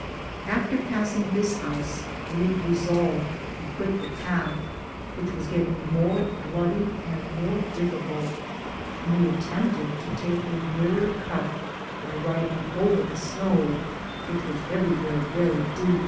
After passing this house we resolved to quit the path, which was getting more bloody and more difiicult, and we attempted to take a nearer cut by riding over the snow, which was everywhere very de^.